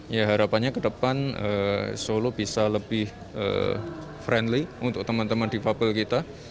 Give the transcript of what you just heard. ya harapannya kedepan solo bisa lebih friendly untuk teman teman divabel kita